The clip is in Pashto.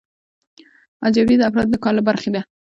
ارزیابي د افرادو د کار له برخې ده.